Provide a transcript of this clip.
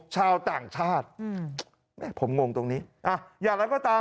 ชาวต่างชาติผมงงตรงนี้อ่ะอย่างไรก็ตาม